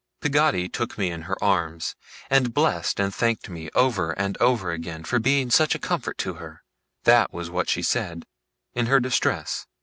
Peggotty took me in her arms, and blessed and thanked me over and over again for being such a comfort to her (that was what she said) in her distress.